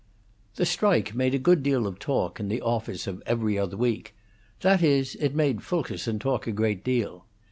The strike made a good deal of talk in the office of 'Every Other Week' that is, it made Fulkerson talk a good deal.